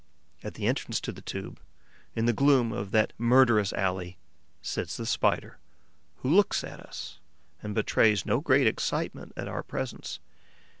At the entrance to the tube, in the gloom of that murderous alley, sits the Spider, who looks at us and betrays no great excitement at our presence.